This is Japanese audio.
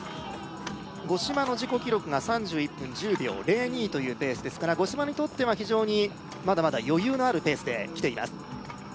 五島の自己記録が３１分１０秒０２というペースですから五島にとっては非常にまだまだ余裕のあるペースできています